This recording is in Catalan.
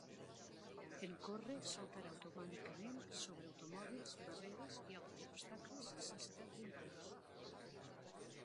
En córrer, saltarà automàticament sobre automòbils, barreres i altres obstacles sense perdre impuls.